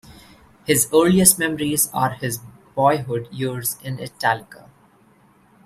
His earliest memories are his boyhood years in Italica.